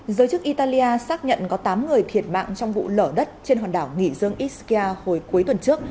giới chức italia xác nhận có tám người thiệt mạng trong vụ lở đất trên hòn đảo nghỉ dương iskia hồi cuối tuần trước